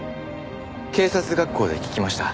警察学校で聞きました。